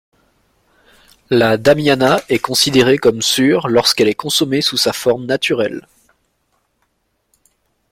La damiana est considérée comme sûre lorsqu'elle est consommée sous sa forme naturelle.